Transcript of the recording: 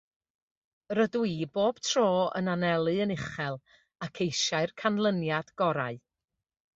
Rydw i bob tro yn anelu yn uchel ac eisiau'r canlyniad gorau